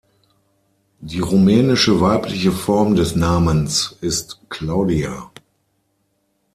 Die rumänische weibliche Form des Namens ist Claudia.